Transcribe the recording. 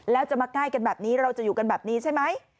แล้วจะมาใกล้กันแบบนี้เราจะอยู่กันแบบนี้ใช่ไหม